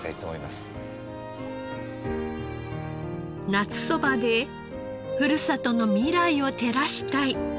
夏そばでふるさとの未来を照らしたい。